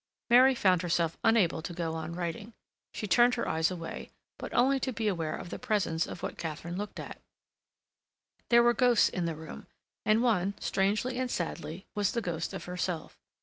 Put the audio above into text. Mary found herself unable to go on writing. She turned her eyes away, but only to be aware of the presence of what Katharine looked at. There were ghosts in the room, and one, strangely and sadly, was the ghost of herself.